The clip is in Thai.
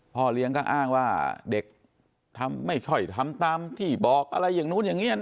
พ่อเลี้ยงก็อ้างว่าเด็กทำไม่ค่อยทำตามที่บอกอะไรอย่างนู้นอย่างนี้